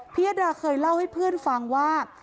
ยดาเคยเล่าให้เพื่อนฟังว่า